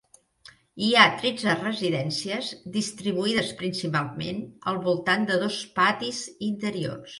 Hi ha tretze residències, distribuïdes principalment al voltant de dos patis interiors.